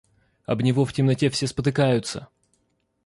Об него в темноте все спотыкаются.